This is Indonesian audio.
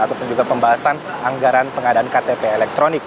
ataupun juga pembahasan anggaran pengadaan ktp elektronik